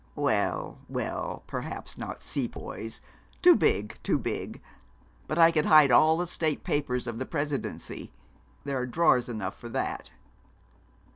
Well, well, perhaps not Sepoys too big, too big but I could hide all the State papers of the Presidency. There are drawers enough for that.'